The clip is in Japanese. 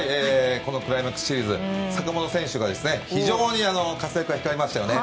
クライマックスシリーズ坂本選手が非常にその活躍が光りましたよね。